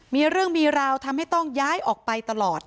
มีเรื่องมีราวทำให้ต้องย้ายออกไปตลอด